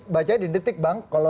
bacanya di detik bang